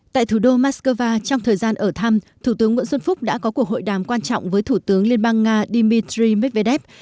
tại thủ đô moscow trong thời gian ở thăm thủ tướng nguyễn xuân phúc đã có cuộc hội đàm quan trọng với thủ tướng liên bang nga dmitry medvedev